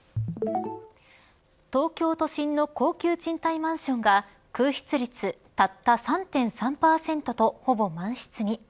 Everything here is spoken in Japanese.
東京都心の高級賃貸マンションが空室率たった３．３％とほぼ満室に。